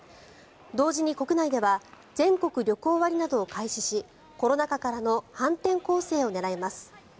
同時に国内では全国旅行割などを開始しコロナ禍からの反転攻勢を狙います。